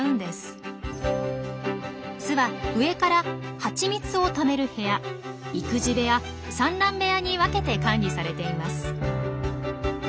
巣は上からハチミツをためる部屋育児部屋産卵部屋に分けて管理されています。